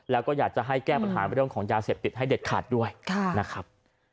แล้วก็อยากจะให้แก้ปัญหาเรื่องของยาเสพติดให้เด็ดขาดด้วยนะครับ